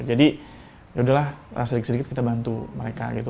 jadi yaudahlah sedikit sedikit kita bantu mereka gitu